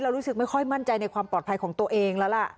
รู้สึกไม่ค่อยมั่นใจในความปลอดภัยของตัวเองแล้วล่ะ